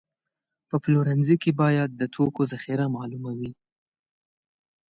په پلورنځي کې باید د توکو ذخیره معلومه وي.